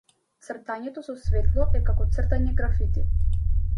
Цртањето со светло е како цртање графити.